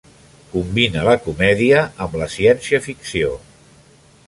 Combina la comèdia amb la ciència-ficció.